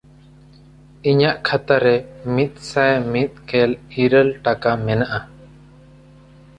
ᱤᱧᱟᱜ ᱠᱷᱟᱛᱟ ᱨᱮ ᱢᱤᱫᱥᱟᱭ ᱢᱤᱫᱜᱮᱞ ᱤᱨᱟᱹᱞ ᱴᱟᱠᱟ ᱢᱮᱱᱟᱜᱼᱟ᱾